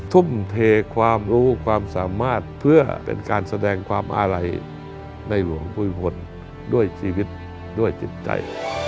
ทุ่มเทความรู้ความสามารถเปอการแสดงความอาล่ายในวงคุยพลดด้วยชีวิตด้วยจิตใจ